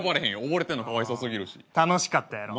溺れてんのかわいそすぎるし。楽しかったやろ？